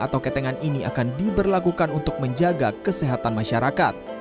atau ketengan ini akan diberlakukan untuk menjaga kesehatan masyarakat